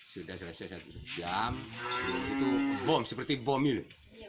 sudah selesai satu jam itu bom seperti bom itu